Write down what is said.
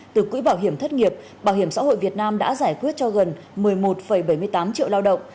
từ quỹ bảo hiểm thất nghiệp bảo hiểm xã hội việt nam đã giải quyết cho gần một mươi một bảy mươi tám triệu lao động